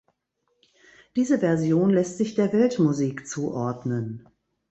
Diese Version lässt sich der Weltmusik zuordnen.